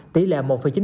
tỷ lệ một chín mươi bốn